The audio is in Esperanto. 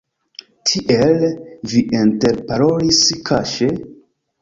Tiel, vi interparolis kaŝe?